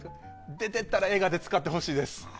出てたら映画で使ってほしいです。